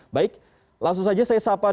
baik langsung saja saya sapa